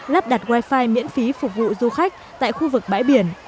lắp đặt wifi miễn phí phục vụ du khách tại khu vực bãi biển